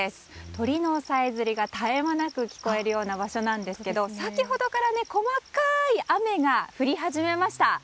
鳥のさえずりが絶え間なく聞こえるような場所ですが先ほどから細かい雨が降り始めました。